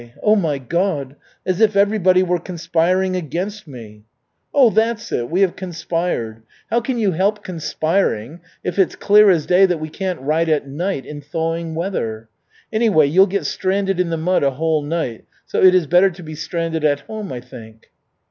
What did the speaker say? Oh, my God, as if everybody were conspiring against me!" "That's it, we have conspired. How can you help conspiring if it's clear as day that we can't ride at night in thawing weather? Anyway, you'll get stranded in the mud a whole night, so it is better to be stranded at home, I think."